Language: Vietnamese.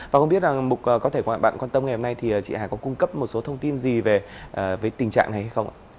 và không biết là có thể các bạn bạn quan tâm ngày hôm nay thì chị hà có cung cấp một số thông tin gì về tình trạng này hay không ạ